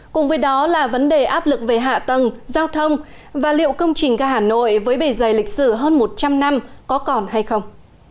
cùng với đó là vấn đề áp lực về hạ tầng giao thông và liệu công trình ga hà nội với bề dày lịch sử hơn một trăm linh năm có còn hay không